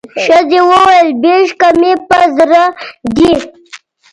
ښځي وویل بېشکه مي په زړه دي